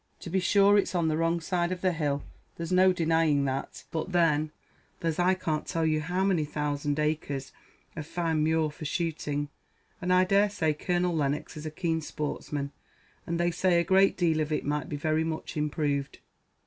To be sure it's on the wrong side of the hill there's no denying that; but then, there's I can't tell you how many thousand acres of fine muir for shooting, and I daresay Colonel Lennox is a keen sportsman; and they say a great deal of it might be very much improved.